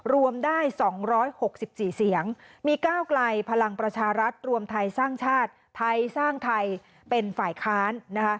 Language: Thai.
รวมได้๒๖๔เสียงมีก้าวไกลพลังประชารัฐรวมไทยสร้างชาติไทยสร้างไทยเป็นฝ่ายค้าน